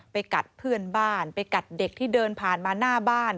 กัดเพื่อนบ้านไปกัดเด็กที่เดินผ่านมาหน้าบ้าน